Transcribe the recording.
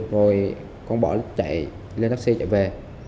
rồi con bỏ chạy lên taxi chạy về